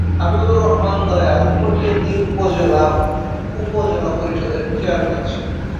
হাবিবুর রহমান দয়াল কটিয়াদী উপজেলা উপজেলা পরিষদের চেয়ারম্যান ছিলেন।